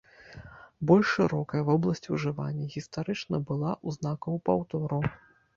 Больш шырокая вобласць ужывання гістарычна была ў знакаў паўтору.